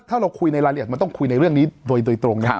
ถ้าเราคุยในรายละเอียดมันต้องคุยในเรื่องนี้โดยตรงนะครับ